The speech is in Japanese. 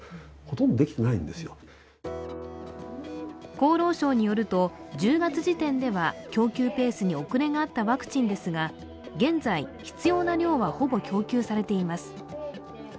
厚労省によると、１０月時点では供給ペースに遅れがあったワクチンですが現在、必要な量はほぼ供給されています。